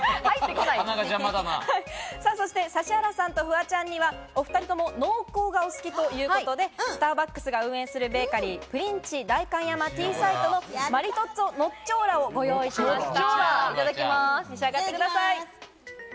指原さんとフワちゃんには、お２人とも濃厚がお好きということで、スターバックスが運営するベーカリー、プリンチ代官山Ｔ−ＳＩＴＥのマリトッツォノッチョーラをご用意しました。